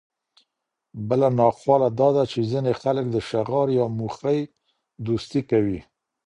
بله ناخواله داده، چي ځيني خلک د شغار يا موخۍ دوستۍ کوي